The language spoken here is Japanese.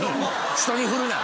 人に振るな！